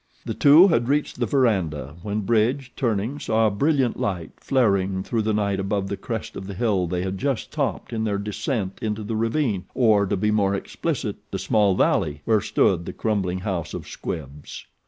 The two had reached the verandah when Bridge, turning, saw a brilliant light flaring through the night above the crest of the hill they had just topped in their descent into the ravine, or, to be more explicit, the small valley, where stood the crumbling house of Squibbs.